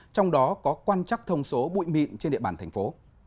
trong đó có quan trắc thông số bụi mịn trên địa bàn thành phố